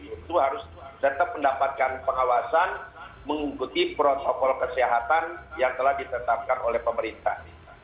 itu harus tetap mendapatkan pengawasan mengikuti protokol kesehatan yang telah ditetapkan oleh pemerintah